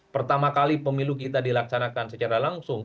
pertama kali pemilu kita dilaksanakan secara langsung